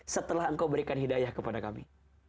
setelah engkau berikan hidayah kepada kami